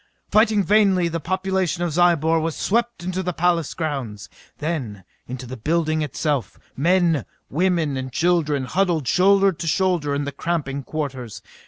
Fighting vainly, the population of Zyobor was swept into the palace grounds, then into the building itself. Men, women and children huddled shoulder to shoulder in the cramping quarters.